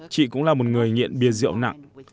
chị cũng là một người nghiện bia rượu nặng